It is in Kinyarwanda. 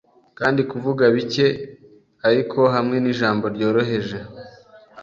Kandi kuvuga bike ariko hamwe nijambo ryoroheje